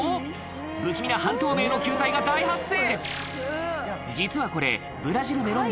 不気味な半透明の球体が大発生